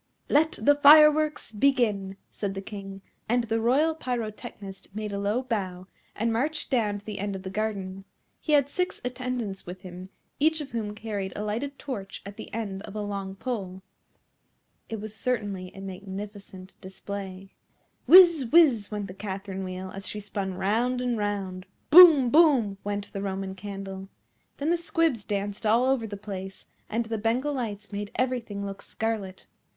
"Let the fireworks begin," said the King; and the Royal Pyrotechnist made a low bow, and marched down to the end of the garden. He had six attendants with him, each of whom carried a lighted torch at the end of a long pole. It was certainly a magnificent display. Whizz! Whizz! went the Catherine Wheel, as she spun round and round. Boom! Boom! went the Roman Candle. Then the Squibs danced all over the place, and the Bengal Lights made everything look scarlet.